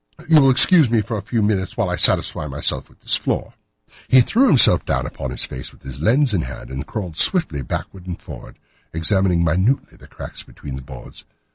You will excuse me for a few minutes while I satisfy myself as to this floor." He threw himself down upon his face with his lens in his hand and crawled swiftly backward and forward, examining minutely the cracks between the boards.